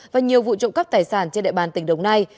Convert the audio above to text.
và nhiều vụ trộm cắp tài sản trên địa bàn tỉnh đồng nai